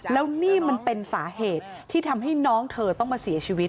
แล้วนี่มันเป็นสาเหตุที่ทำให้น้องเธอต้องมาเสียชีวิต